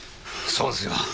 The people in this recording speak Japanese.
そうですよ。